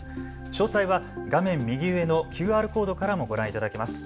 詳細は画面右上のＱＲコードからもご覧いただけます。